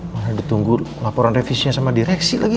mana ditunggu laporan revisenya sama direksi lagi